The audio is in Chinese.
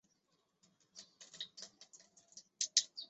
原名维亚特卡来自流经该市的维亚特卡河。